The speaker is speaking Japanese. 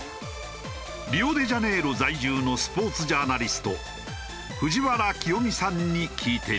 リオデジャネイロ在住のスポーツジャーナリスト藤原清美さんに聞いてみた。